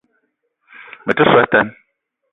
Me te so a tan